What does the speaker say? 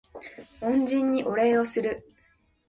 恩人にお礼をする